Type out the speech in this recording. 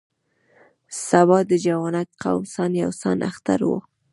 سبا د جوانګ قوم سان یو سان اختر و.